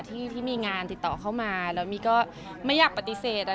ที่มีงานติดต่อเข้ามาแล้วมี่ก็ไม่อยากปฏิเสธ